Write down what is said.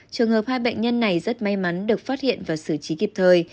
trường hợp hai bệnh nhân này rất may mắn được phát hiện và xử trí kịp thời